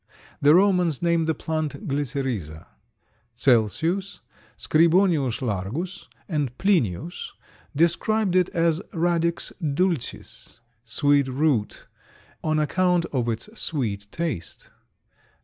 The Romans named the plant Glycyrrhiza. Celsius, Scribonius Largus, and Plinius described it as Radix dulcis, sweet root, on account of its sweet taste.